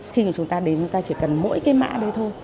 khi mà chúng ta đến chúng ta chỉ cần mỗi cái mã đây thôi